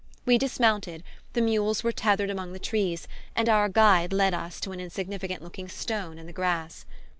We dismounted, the mules were tethered among the trees, and our guide led us to an insignificant looking stone in the grass.